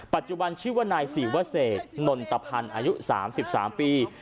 ปัจจุบันชื่อว่านายศรีวเศษนนตพันธ์อายุ๓๓ปี